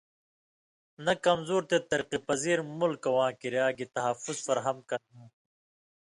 نہ کمزُور تے ترقی پذیر ملکہ واں کریا گی تحفظ فراہم کرہاں تھی،